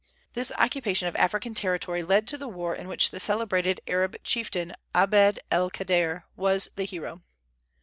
This occupation of African territory led to the war in which the celebrated Arab chieftain, Abd el Kader, was the hero.